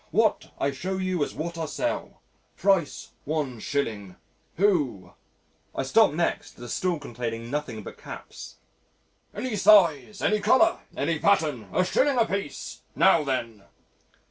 What I show you is what I sell price one shilling. Who?" I stopped next at a stall containing nothing but caps, "any size, any colour, any pattern, a shilling apiece now then!"